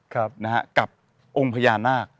นะฮะกับองค์พญานาค